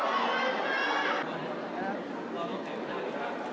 มานะครับมาดีดี